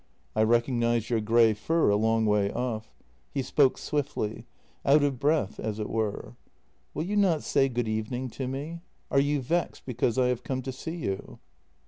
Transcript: I recognized your grey fur a long way off." He spoke swiftly — out of breath, as it were. "Will you not say good evening to me? Are you vexed because I have come to see you?